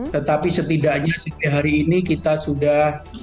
tetapi setidaknya sampai hari ini kita sudah